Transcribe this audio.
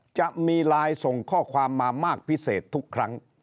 จะมีไลน์ส่งข้อความมามากพิเศษทุกครั้ง